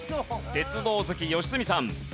鉄道好き良純さん。